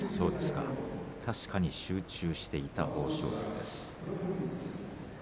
確かに集中していた豊昇龍。